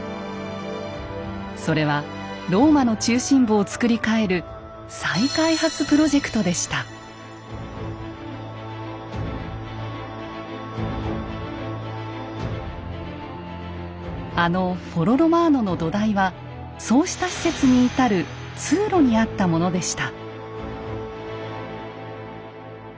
それはローマの中心部を造り替えるあのフォロ・ロマーノの土台はそうした施設に至る通路にあったものでした。